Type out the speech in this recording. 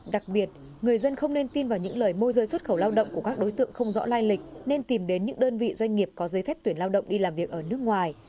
đặc biệt người dân không nên tin vào những lời môi rơi xuất khẩu lao động của các đối tượng không rõ lai lịch nên tìm đến những đơn vị doanh nghiệp có giấy phép tuyển lao động đi làm việc ở nước ngoài